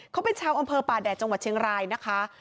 เขาเป็นชาวอำเภอป่าแดดจังหวัดเชียงรายนะคะ